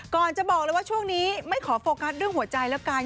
ก่อนจะบอกเลยว่าช่วงนี้ไม่ขอโฟกัสเรื่องหัวใจแล้วกัน